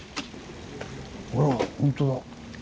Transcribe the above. あらほんとだ。